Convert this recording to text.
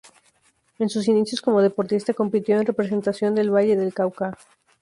En sus inicios como deportista compitió en representación del Valle del Cauca.